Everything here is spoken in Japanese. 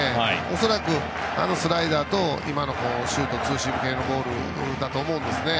恐らくあのスライダーとシュート、ツーシーム系のボールだと思うんですね。